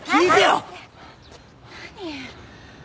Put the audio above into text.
何？